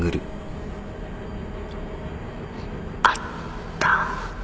あった